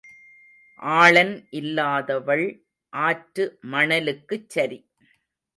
ஆளன் இல்லாதவள் ஆற்று மணலுக்குச் சரி.